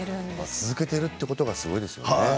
続いてるってのがすごいですよね。